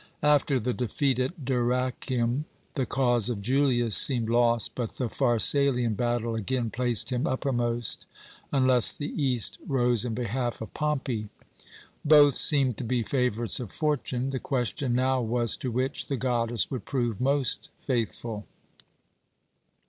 After the defeat at Dyrrachium the cause of Julius seemed lost, but the Pharsalian battle again placed him uppermost, unless the East rose in behalf of Pompey. Both seemed to be favourites of Fortune. The question now was to which the goddess would prove most faithful.